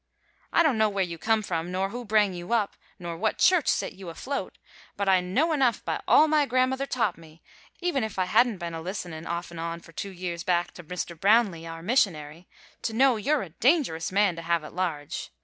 I don't know where you come from, nor who brang you up, nor what church set you afloat, but I know enough by all my grandmother taught me even if I hadn't been a listenin' off and on for two years back to Mr. Brownleigh, our missionary to know you're a dangerous man to have at large.